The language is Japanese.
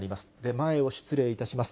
前を失礼いたします。